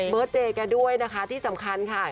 เบิร์สเดย์แกด้วยนะคะที่สำคัญค่ะ